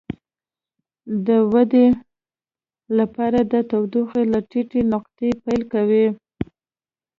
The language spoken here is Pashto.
د ودې لپاره د تودوخې له ټیټې نقطې پیل کوي.